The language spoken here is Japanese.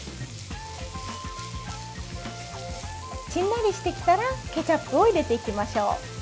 しんなりしてきたらケチャップを入れていきましょう。